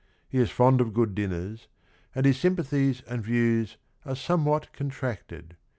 "He is fond of good dinners, and his sympathies and views are somewhat contracted.